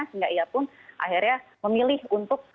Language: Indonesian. sehingga ia pun akhirnya memilih untuk